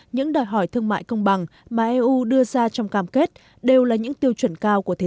những đòi hỏi thương mại công bằng mà eu đưa ra trong cam kết đều là những tiêu chuẩn cao của thế